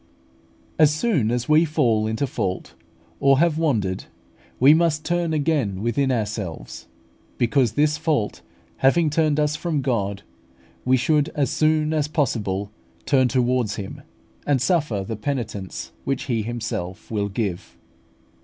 As soon as we fall into a fault, or have wandered, we must turn again within ourselves; because this fault having turned us from God, we should as soon as possible turn towards Him, and suffer the penitence which He Himself will give.